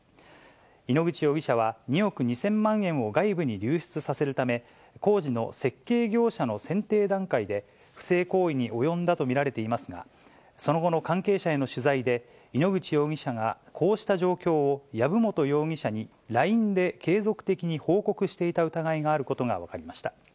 井ノ口容疑者は、２億２０００万円を外部に流出させるため、工事の設計業者の選定段階で、不正行為に及んだと見られていますが、その後の関係者への取材で、井ノ口容疑者がこうした状況を籔本容疑者にＬＩＮＥで継続的に報告していた疑いがあることが分かりました。